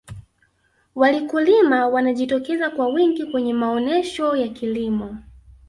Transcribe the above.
walikulima wanajitokeza kwa wingi kwenye maonesho ya kilimo